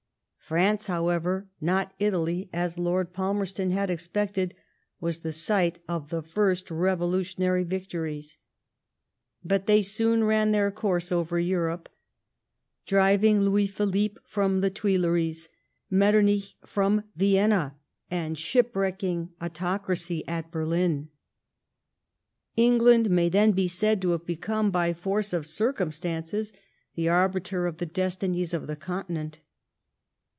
France, however, not Italy, as Lord Palmerston had *^ expected, was tbe site of the first revolutionary vic tories; but they soon ran their course over Europe, driving Louis Philippe from the Tuileries, Mettemich from Vienna, and shipwrecking autocracy at Berlin. England may then be said to have become by force of circumstances tbe arbiter of the destinies of the conti* nent.